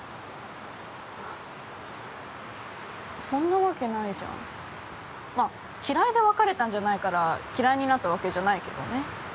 そんなわけないじゃんまあ嫌いで別れたんじゃないから嫌いになったわけじゃないけどね